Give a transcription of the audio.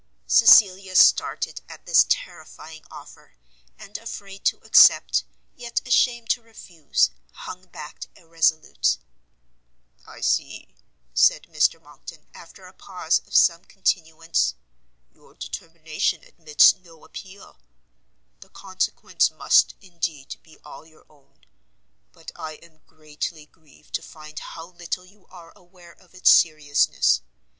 Cecilia started at this terrifying offer, and afraid to accept, yet ashamed to refuse, hung back irresolute. "I see," said Mr Monckton, after a pause of some continuance, "your determination admits no appeal. The consequence must, indeed, be all your own, but I am greatly grieved to find how little you are aware of its seriousness.